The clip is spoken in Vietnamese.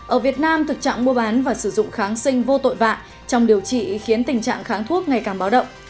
ở việt nam thực trạng mua bán và sử dụng kháng sinh vô tội vạ trong điều trị khiến tình trạng kháng thuốc ngày càng báo động